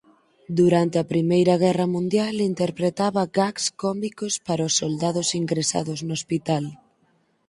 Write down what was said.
Durante a Primeira Guerra Mundial interpretaba gags cómicos para os soldados ingresados no hospital.